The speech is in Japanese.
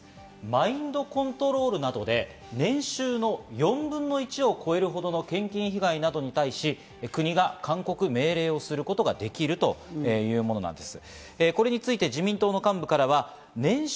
マインドコントロールなどで年収の４分の１を超えるほどの献金被害などに対し、国が勧告、命令をすることができるというものなんです。